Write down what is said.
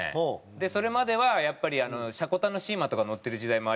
それまではやっぱりシャコタンのシーマとか乗ってる時代もありましたし。